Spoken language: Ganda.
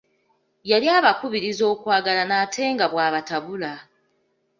Yali abakubiriza okwagalana ate nga bw'abatabula.